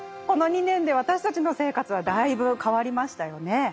この２年で私たちの生活はだいぶ変わりましたよね。